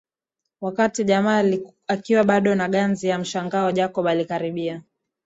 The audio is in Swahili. Wakati jamaa akiwa bado ana ganzi ya mshangao Jacob alikaribia